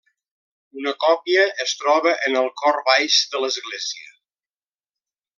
Una còpia es troba en el cor baix de l'església.